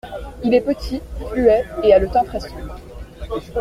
Il est petit, fluet, et a le teint très sombre.